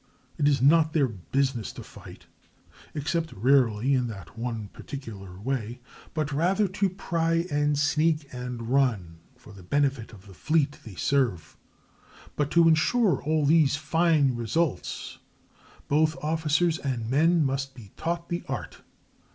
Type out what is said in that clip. ] It is not their business to fight (except rarely, in the one particular way), but rather to pry and sneak and run, for the benefit of the fleet they serve. But to insure all these fine results, both officers and men must be taught the art.